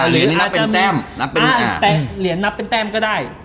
หรืออาจจะมีเหรียญนับเป็นแต้มก็ได้